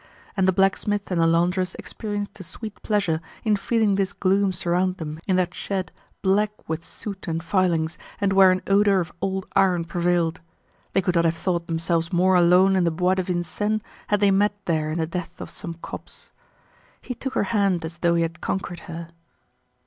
And the blacksmith and the laundress experienced a sweet pleasure in feeling this gloom surround them in that shed black with soot and filings, and where an odor of old iron prevailed. They could not have thought themselves more alone in the Bois de Vincennes had they met there in the depths of some copse. He took her hand as though he had conquered her.